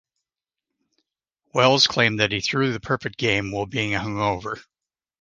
Wells claimed that he threw the perfect game while being hung over.